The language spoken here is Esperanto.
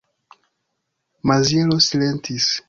Maziero silentis.